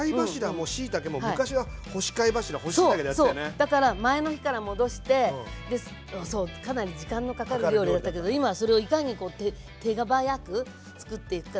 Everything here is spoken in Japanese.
だから前の日から戻してかなり時間のかかる料理だったけど今はそれをいかに手早く作っていくか